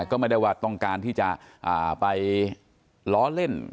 ก็ไม่ได้ว่าต้องการที่จะไปล้อเล่น